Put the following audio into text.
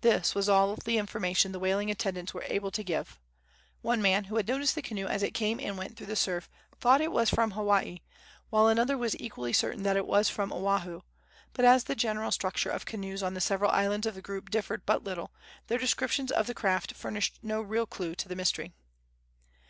This was all the information the wailing attendants were able to give. One man, who had noticed the canoe as it came and went through the surf, thought it was from Hawaii, while another was equally certain that it was from Oahu; but as the general structure of canoes on the several islands of the group differed but little, their descriptions of the craft furnished no real clue to the mystery.